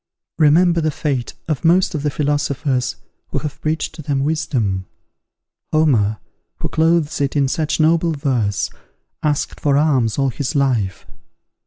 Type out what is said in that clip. Remember the fate of most of the philosophers who have preached to them wisdom. Homer, who clothes it in such noble verse, asked for alms all his life.